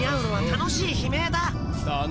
楽しい悲鳴？